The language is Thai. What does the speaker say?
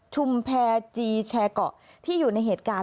แพรจีแชร์เกาะที่อยู่ในเหตุการณ์